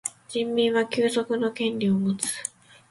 人民は休息の権利をもつ。